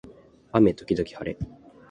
雨時々はれ